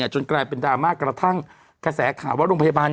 จนกลายเป็นดราม่ากระทั่งกระแสข่าวว่าโรงพยาบาล